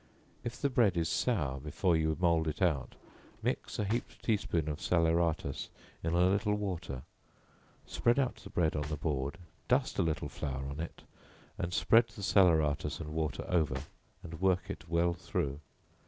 If the bread is sour before you mould it out, mix a heaped tea spoonful of salaeratus in a little water, spread out the bread on the board, dust a little flour on it, and spread the salaeratus and water over, and work it well through.